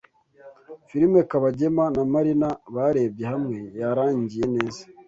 Filime Kabagema na Marina barebye hamwe yarangiye neza.